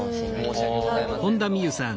申し訳ございませんと。